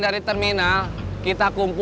tasik tasik tasik